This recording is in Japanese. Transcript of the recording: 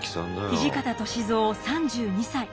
土方歳三３２歳。